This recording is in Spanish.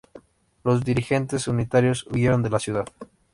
Los dirigentes unitarios huyeron de la ciudad.